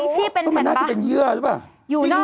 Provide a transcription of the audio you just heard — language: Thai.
กรมป้องกันแล้วก็บรรเทาสาธารณภัยนะคะ